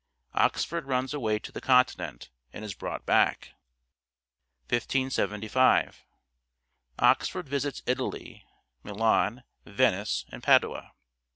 Oxford runs away to the continent and is brought back. I575 Oxford visits Italy : Milan, Venice, and Padua.